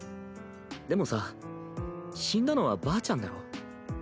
でもさ死んだのはばあちゃんだろ。